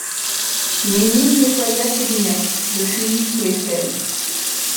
Mesnil nettoya ses lunettes, le fusil sous l'aisselle.